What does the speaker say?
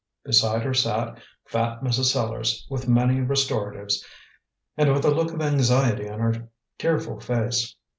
Beside her sat fat Mrs. Sellars, with many restoratives, and with a look of anxiety on her tearful face.